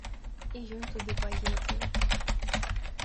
І ён туды паедзе.